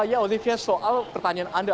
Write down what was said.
ya olivia soal pertanyaan anda